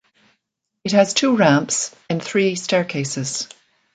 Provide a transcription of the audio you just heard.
It has two ramps and three staircases.